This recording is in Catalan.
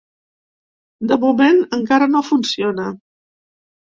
De moment, encara no funciona.